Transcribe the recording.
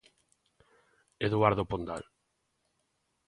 Eduardo Pondal.